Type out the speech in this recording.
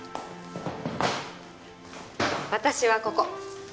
私はここ。